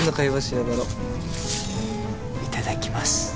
いただきます。